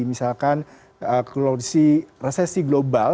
misalkan kondisi resesi global